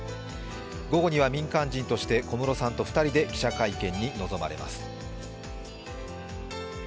午後には民間人として小室さんと２人で記者会見に臨まれます。